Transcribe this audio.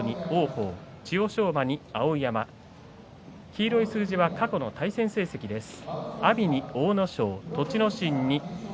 黄色い数字は過去の対戦成績です。